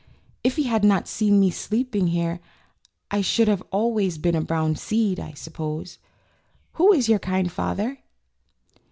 ''If he had not seen me sleeping here I should have always been a brown seed, I suppose. Who is your kind Father?